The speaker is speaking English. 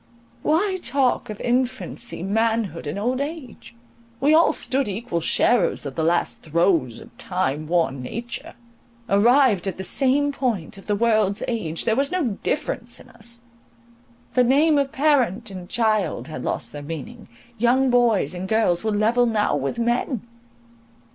Why talk of infancy, manhood, and old age? We all stood equal sharers of the last throes of time worn nature. Arrived at the same point of the world's age—there was no difference in us; the name of parent and child had lost their meaning; young boys and girls were level now with men.